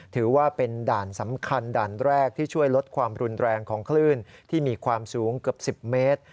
ถือว่าเป็นด่านสำคัญด่านแรกที่ช่วยลดความรุนแรงของคลื่นที่มีความสูงเกือบ๑๐เมตร